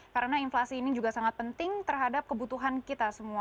karena inflasi ini juga sangat penting terhadap kebutuhan kita semua